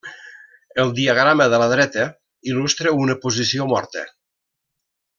El diagrama de la dreta il·lustra una posició morta.